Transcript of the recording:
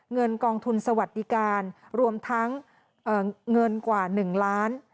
เงินกองทุนสวัสดิการรวมทั้งเงินกว่า๑ล้าน